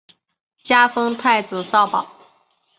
加封太子少保。